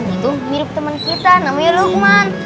kamu itu mirip temen kita namanya lukman